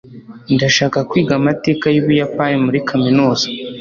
ndashaka kwiga amateka yubuyapani muri kaminuza